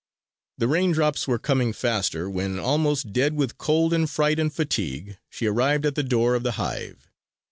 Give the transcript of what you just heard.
The raindrops were coming faster when, almost dead with cold and fright and fatigue, she arrived at the door of the hive.